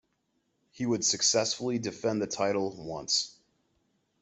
He would successfully defend the title once.